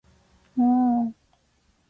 もーう